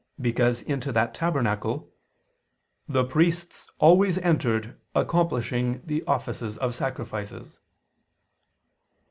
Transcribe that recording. because into that tabernacle "the priests always entered accomplishing the offices of sacrifices."